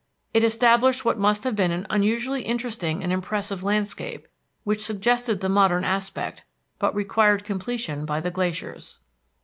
It established what must have been an unusually interesting and impressive landscape, which suggested the modern aspect, but required completion by the glaciers.